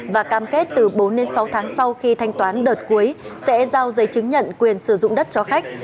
và cam kết từ bốn sáu tháng sau khi thanh toán đợt cuối sẽ giao giấy chứng nhận quyền sử dụng đất cho khách